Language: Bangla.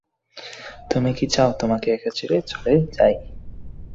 তুমি কি চাও তোমাকে একা ছেড়ে চলে যাই?